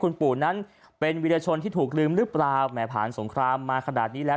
คุณปู่นั้นเป็นวิรชนที่ถูกลืมหรือเปล่าแหมผ่านสงครามมาขนาดนี้แล้ว